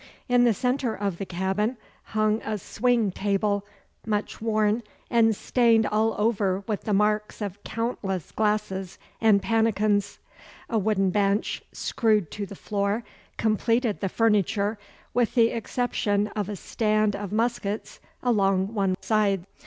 In the centre of the cabin hung a swing table, much worn, and stained all over with the marks of countless glasses and pannikins. A wooden bench, screwed to the floor, completed the furniture, with the exception of a stand of muskets along one side.